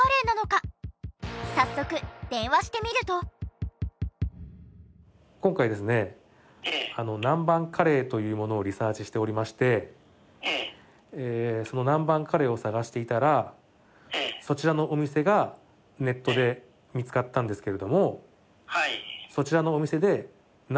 本当に梅沢さんが今回ですね南蛮カレーというものをリサーチしておりましてその南蛮カレーを探していたらそちらのお店がネットで見つかったんですけれども。